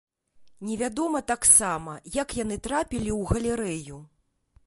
Невядома таксама, як яны трапілі ў галерэю.